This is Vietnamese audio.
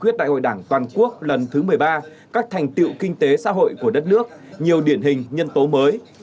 quyết đại hội đảng toàn quốc lần thứ một mươi ba các thành tựu kinh tế xã hội của đất nước nhiều điển hình nhân tố mới